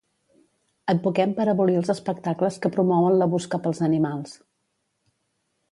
Advoquem per abolir els espectacles que promouen l'abús cap als animals.